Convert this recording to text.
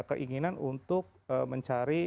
keinginan untuk mencari